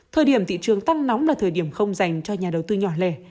thời điểm thị trường tăng nóng là thời điểm không dành cho nhà đầu tư nhỏ lẻ